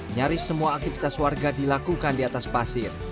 nyaris semua aktivitas warga dilakukan di atas pasir